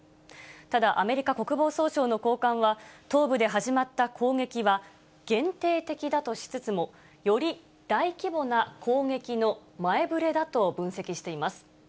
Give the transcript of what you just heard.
ただ、アメリカ国防総省の高官は、東部で始まった攻撃は、限定的だとしつつも、より大規模な攻撃の前触れだと分析しています。